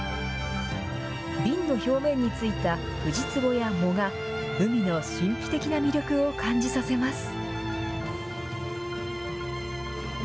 瓶の表面についたフジツボや藻が、海の神秘的な魅力を感じさせます。